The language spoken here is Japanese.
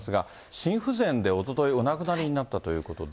心不全で、おとといお亡くなりになったということで。